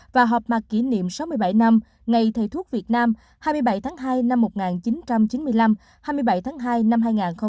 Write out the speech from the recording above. và họp mặt kỷ niệm sáu mươi bảy năm ngày thầy thuốc việt nam hai mươi bảy tháng hai năm một nghìn chín trăm chín mươi năm hai mươi bảy tháng hai năm hai nghìn hai mươi